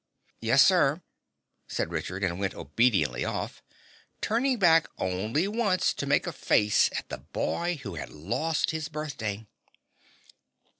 "Yes, sir," said Richard and went obediently off, turning back only once to make a face at the boy who had lost his birthday.